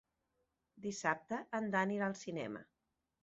Dissabte en Dan irà al cinema.